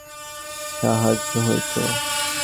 তাহাদের দ্বারাও রামচাঁদের অনেক সাহায্য হইত।